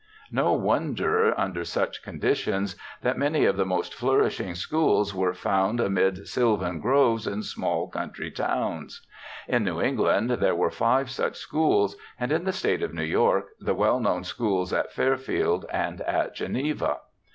No wonder, under such conditions, that many of the most flourishing schools were found amid sylvan groves in small country towns. In New England there were five such schools, and in the State of New York the well known schools at Fairfield and at Geneva.